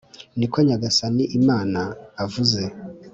niko Nyagasani Imana avuze